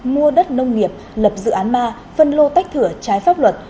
mua đất nông nghiệp lập dự án ma phân lô tách thửa trái pháp luật